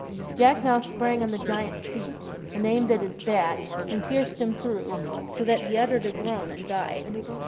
Jack now sprang on the giant's seat, and aimed at his back, and pierced him through, so that he uttered a groan and died.